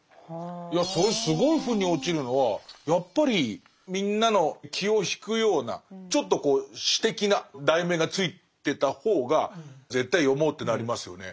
いやそれすごい腑に落ちるのはやっぱりみんなの気を引くようなちょっとこう詩的な題名が付いてた方が絶対読もうってなりますよね。